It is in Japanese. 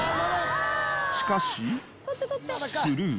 しかしスルー。